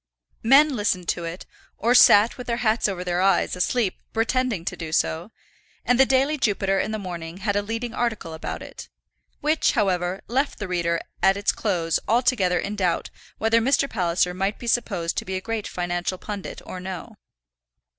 Men listened to it, or sat with their hats over their eyes, asleep, pretending to do so; and the Daily Jupiter in the morning had a leading article about it, which, however, left the reader at its close altogether in doubt whether Mr. Palliser might be supposed to be a great financial pundit or no.